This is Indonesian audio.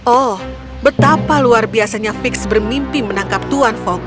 oh betapa luar biasanya figgs bermimpi menangkap tuan fogg